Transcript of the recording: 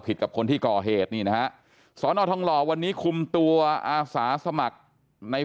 ผิดกับคนที่ก่อเหตุนี่นะสนทลวันนี้คุมตัวอาศาสมัครใน